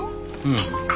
うん。